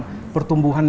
jadi tidak ada pertumbuhan